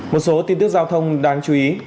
một số tin tức giao thông đáng chú ý